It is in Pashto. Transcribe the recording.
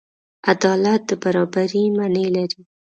عدالت د برابري معنی لري.